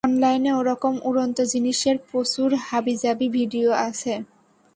অনলাইনে ওরকম উড়ন্ত জিনিসের প্রচুর হাবিজাবি ভিডিও আছে।